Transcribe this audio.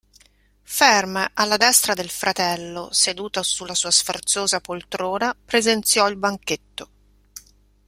Ferm, alla destra del fratello, seduto sulla sua sfarzosa poltrona, presenziò il banchetto.